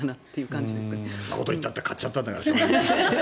そんなこと言ったって買っちゃったんだから。